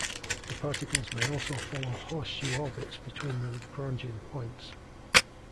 The particles may also follow horseshoe orbits between the Lagrangian points.